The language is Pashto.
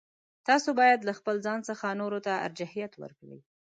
تاسو باید له خپل ځان څخه نورو ته ارجحیت ورکړئ.